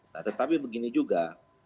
nah tetapi begini juga